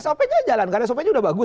sop nya jalan karena sop nya udah bagus